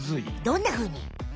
どんなふうに。